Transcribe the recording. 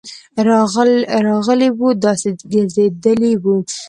راغلی وو، داسي ګرځيدلی وو: